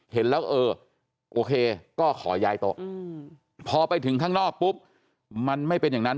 เห็นแล้วเออโอเคก็ขอย้ายโต๊ะพอไปถึงข้างนอกปุ๊บมันไม่เป็นอย่างนั้น